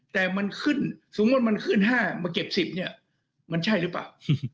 แต่มันขึ้นสมมุติมันขึ้น๕มาเก็บ๑๐เนี่ยมันใช่หรือเปล่า